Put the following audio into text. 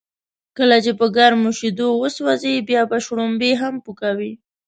کله چې په گرمو شیدو و سوځې، بیا به شړومبی هم پو کوې.